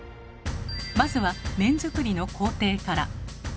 まずは麺作りの工程から。